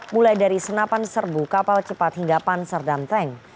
mulai dari senapan serbu kapal cepat hingga panser dan tank